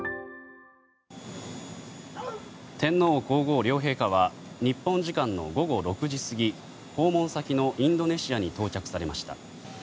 天皇・皇后両陛下は日本時間の午後６時過ぎ訪問先のインドネシアに到着されました。